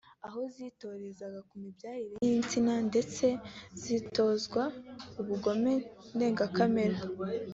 aho zitorezaga ku mibyare y’insina ndetse zinatozwa ubugome ndengakamere